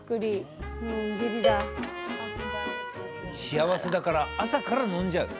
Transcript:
幸せだから朝から飲んじゃう。